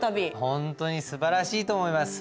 本当にすばらしいと思います。